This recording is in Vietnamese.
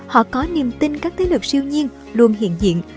họ có niềm tin các thế lực siêu nhiên luôn hiện diện